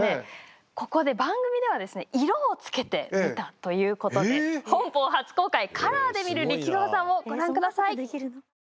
ここで番組ではですね色をつけてみたということで本邦初公開カラーで見る力道山をご覧ください。